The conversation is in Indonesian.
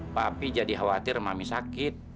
papi jadi khawatir mami sakit